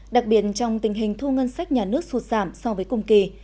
đặc biệt trong tình hình thu ngân sách nhà nước sụt giảm so với cùng kỳ